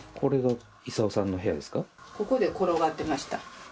ここで転がってました。